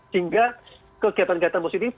sehingga kegiatan kegiatan positif